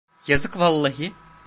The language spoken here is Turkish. Yazık vallahi.